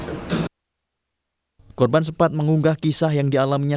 korban sempat mengunggah kisah yang dialaminya